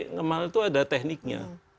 ngemal itu ada tekniknya